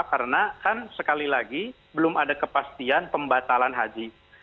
karena kan sekali lagi belum ada kepastian pembatalan haji